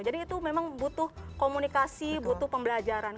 jadi itu memang butuh komunikasi butuh pembelajaran